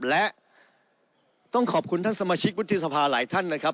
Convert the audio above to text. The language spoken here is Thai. และต้องขอบคุณท่านสมาชิกวุฒิสภาหลายท่านนะครับ